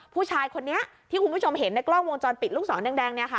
ผู้ชายคนนี้ที่คุณผู้ชมเห็นในกล้องวงจรปิดลูกสองแดง